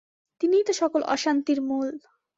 তিনিই তো সকল অশান্তির মূল।